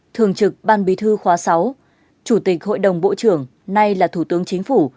thường trực ban bí thư khóa sáu chủ tịch hội đồng bộ trưởng nay là thủ tướng chính phủ